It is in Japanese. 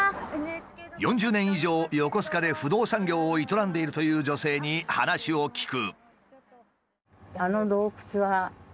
４０年以上横須賀で不動産業を営んでいるという女性に話を聞く。